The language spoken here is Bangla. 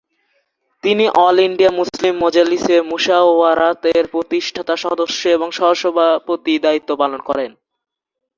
তিনি অল ইন্ডিয়া মুসলিম মজলিসে মুশাওয়ারাত-এর প্রতিষ্ঠাতা সদস্য এবং সহ-সভাপতি দায়িত্ব পালন করেন।